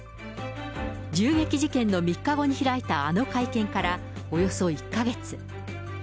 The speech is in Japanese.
銃撃事件の３日後に開いたあの会見からおよそ１か月。